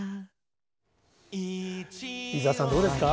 伊沢さん、どうですか。